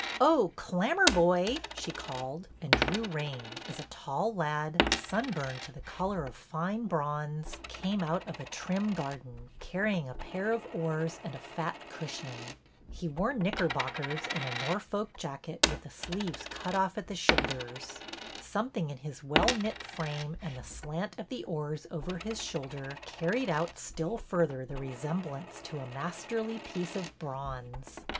Oh, Clammerboy !" she called, and drew rein, as a tall lad, sunburned to the color of fine bronze, came out of a trim garden, carrying a pair of oars and a fat cushion. He wore knicker bockers and a Norfolk jacket with the sleeves cut off at the shoulders. Something in his well knit frame and the slant of the oars over his shoulder carried out still further the resemblance to a masterly piece of bronze.